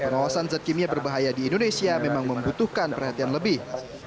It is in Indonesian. bahan kimia berbahaya di indonesia memang membutuhkan perhatian lebih